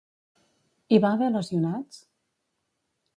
Hi va haver lesionats?